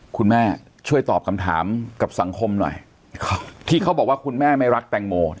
คุณแม่ช่วยตอบคำถามกับสังคมหน่อยที่เขาบอกว่าคุณแม่ไม่รักแตงโม